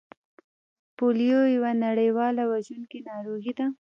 پولیو یوه نړیواله وژونکې ناروغي ده